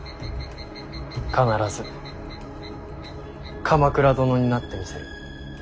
必ず鎌倉殿になってみせる。